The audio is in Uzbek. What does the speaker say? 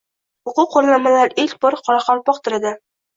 O‘quv qo‘llanmalar ilk bor qoraqalpoq tilidang